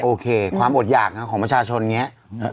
โอเคความอดหยากของประชาชนเนี่ย